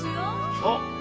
そう！